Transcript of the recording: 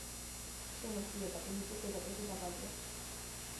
შენობის იატაკი მიწის ზედაპირზე დაბალია.